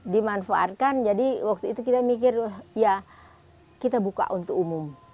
dimanfaatkan jadi waktu itu kita mikir ya kita buka untuk umum